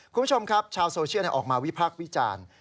คุณผู้ชมครับชาวโซเชียลออกมาวิพากษ์วิจารณ์